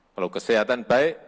kalau kesehatan baik